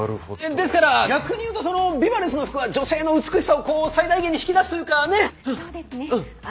ですから逆に言うとそのＢＩＢＡＬＥＳＳの服は女性の美しさをこう最大限に引き出すというかねっ？